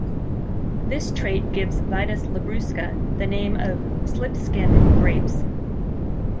This trait gives "Vitis labrusca" the name of "slip skin" grapes.